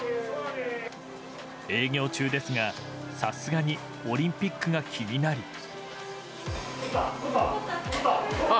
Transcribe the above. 営業中ですが、さすがにオリンピックが気になり。